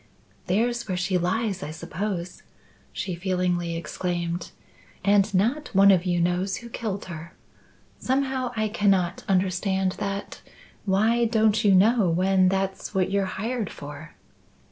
"There's where she lies, I suppose," she feelingly exclaimed. "And not one of you knows who killed her. Somehow, I cannot understand that. Why don't you know when that's what you're hired for?"